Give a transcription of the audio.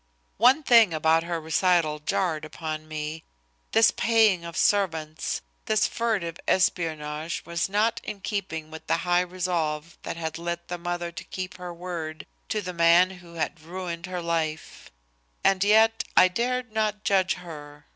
One thing about her recital jarred upon me. This paying of servants, this furtive espionage was not in keeping with the high resolve that had led the mother to "keep her word" to the man who had ruined her life. And yet and yet I dared not judge her.